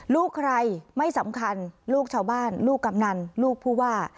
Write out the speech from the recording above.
ลูกใครไม่สำคัญลูกชาวบ้านลูกกำนันลูกผู้ว่า